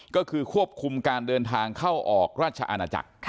ก็คือควบคุมการเดินทางเข้าออกราชอาณาจักร